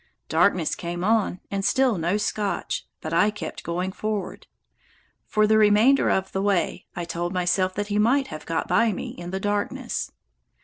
Darkness came on and still no Scotch, but I kept going forward. For the remainder of the way I told myself that he might have got by me in the darkness.